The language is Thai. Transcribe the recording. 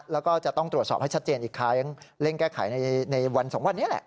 แล้วก็จะต้องตรวจสอบให้ชัดเจนอีกครั้งเร่งแก้ไขในวันสองวันนี้แหละ